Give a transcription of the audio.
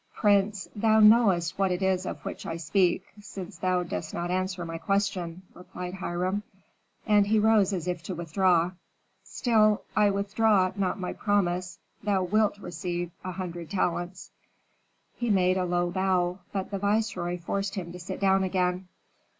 "Prince, thou knowest what it is of which I speak, since thou dost not answer my question," replied Hiram; and he rose as if to withdraw. "Still, I withdraw not my promise. Thou wilt receive a hundred talents." He made a low bow, but the viceroy forced him to sit down again.